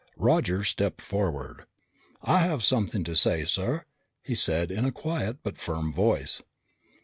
Roger stepped forward. "I have something to say, sir," he said in a quiet but firm voice.